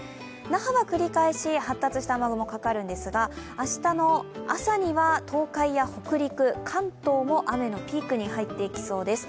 那覇は繰り返し発達した雨雲がかかるんですが、明日の朝には東海や北陸、関東も、雨のピークに入っていきそうです。